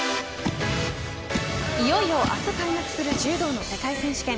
いよいよ明日開幕する柔道の世界選手権。